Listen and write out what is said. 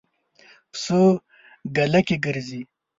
پسه ګله کې ګرځي.